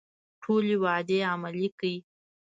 ټولې وعدې عملي کړي.